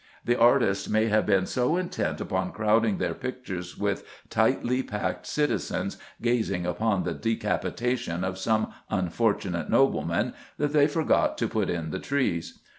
The artists may have been so intent upon crowding their pictures with tightly packed citizens gazing upon the decapitation of some unfortunate nobleman that they forgot to put in the trees.